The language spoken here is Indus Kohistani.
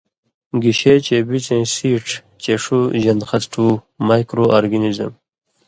گِشے چے بِڅَیں سیڇھ چے ݜُو ژن٘د خسٹُو(Microorganism)